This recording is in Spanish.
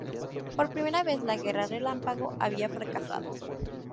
Por primera vez, la guerra relámpago había fracasado.